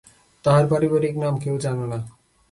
তাঁহার পারিবারিক নাম কেউ জানে না।